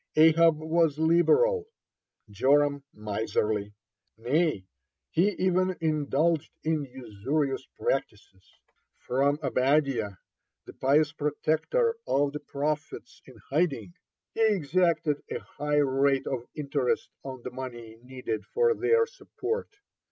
Ahab was liberal, Joram miserly, nay, he even indulged in usurious practices. From Obadiah, the pious protector of the prophets in hiding, he exacted a high rate of interest on the money needed for their support.